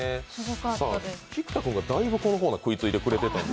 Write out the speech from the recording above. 菊田君がだいぶこのコーナー食いついてくれてたので。